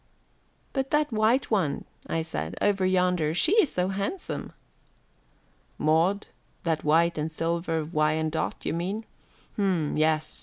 "But that white one," I said, "over yonder. She is so handsome." "Maud, that white and silver Wyandotte, you mean. H'm, yes.